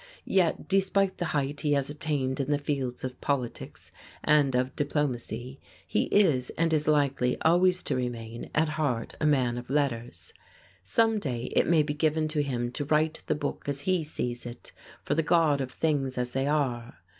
Yet despite the height he has attained in the fields of politics and of diplomacy, he is, and is likely always to remain, at heart a man of letters. Some day it may be given to him to "write the book as he sees it, for the God of things as they are."